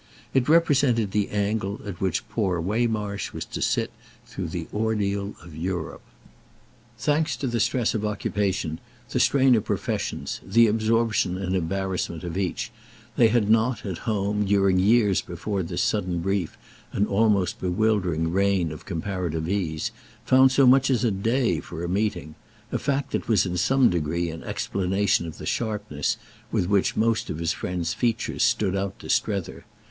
It represented the angle at which poor Waymarsh was to sit through the ordeal of Europe. Thanks to the stress of occupation, the strain of professions, the absorption and embarrassment of each, they had not, at home, during years before this sudden brief and almost bewildering reign of comparative ease, found so much as a day for a meeting; a fact that was in some degree an explanation of the sharpness with which most of his friend's features stood out to Strether.